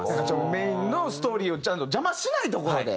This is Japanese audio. メインのストーリーをちゃんと邪魔しないところで。